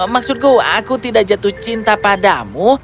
maksudku aku tidak jatuh cinta padamu